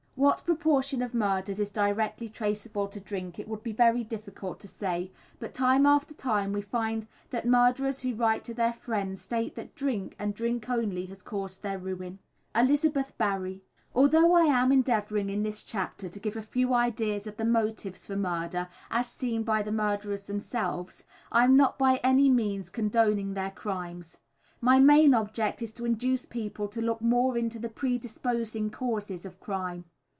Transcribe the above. What proportion of murders is directly traceable to drink it would be very difficult to say, but time after time we find that murderers who write to their friends state that drink, and drink only, has caused their ruin. Elizabeth Berry. Although I am endeavouring in this chapter to give a few ideas of the motives for murder as seen by the murderers themselves, I am not by any means condoning their crimes. My main object is to induce people to look more into the pre disposing causes of crime.